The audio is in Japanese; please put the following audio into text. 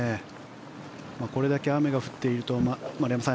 これだけ雨が降っていると丸山さん